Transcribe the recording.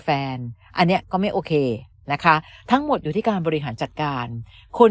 อันอันนี้ก็ไม่โอเคนะคะทั้งหมดอยู่ที่การบริหารจัดการคน